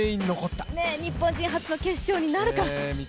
日本人初の決勝になるか。